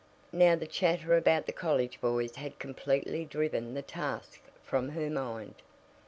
Now the chatter about the college boys had completely driven the task from her mind.